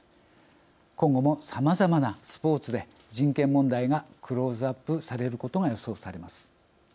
今後も、さまざまなスポーツで人権問題がクローズアップされることが予想されます。